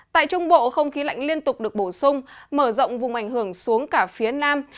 tại trung bộ không khí lạnh liên tục được bổ sung mở rộng vùng ảnh hưởng xuống cả phía nam